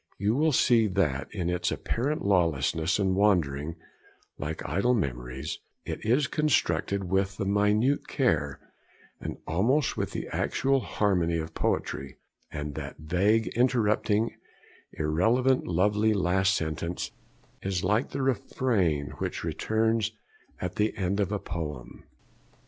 You will see that, in its apparent lawlessness and wandering like idle memories, it is constructed with the minute care, and almost with the actual harmony, of poetry; and that vague, interrupting, irrelevant, lovely last sentence is like the refrain which returns at the end of a poem.